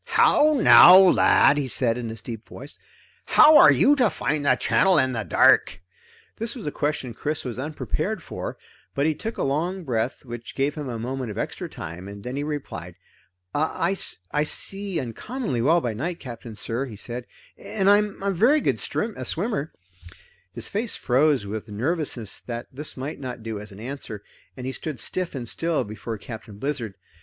"How now, lad," he said in his deep voice, "how are you to find the channel in the dark?" This was a question Chris was unprepared for, but he took a long breath which gave him a moment of extra time, and then replied. "I I see uncommonly well by night, Captain sir," he said, "and I'm a very strong swimmer." His face froze with nervousness that this might not do as an answer, and he stood stiff and still before Captain Blizzard.